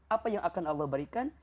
apa yang akan allah berikan